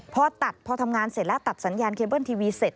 พอตัดพอทำงานเสร็จแล้วตัดสัญญาณเคเบิ้ลทีวีเสร็จ